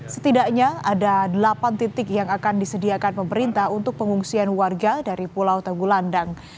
setidaknya ada delapan titik yang akan disediakan pemerintah untuk pengungsian warga dari pulau tegulandang